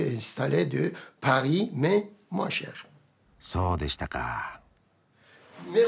そうでしたか。